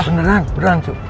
beneran beneran cu